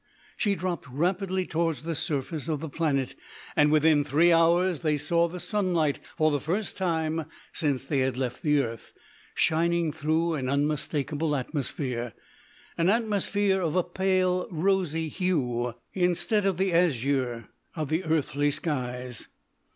She dropped rapidly towards the surface of the planet, and within three hours they saw the sunlight, for the first time since they had left the earth, shining through an unmistakable atmosphere, an atmosphere of a pale, rosy hue, instead of the azure of the earthly skies.